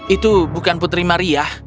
itu bukan putri maria